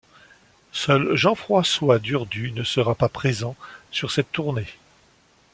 Seul Jean-François Durdu ne sera pas présent sur cette tournée.